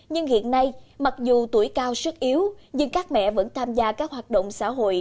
nhưng hiện nay mặc dù tuổi cao sức yếu nhưng các mẹ vẫn tham gia các hoạt động xã hội